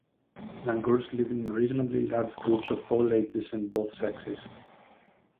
Langurs live in reasonably large groups of all ages and both sexes.